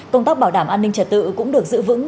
công tác bảo đảm an ninh trật tự cũng được giữ vững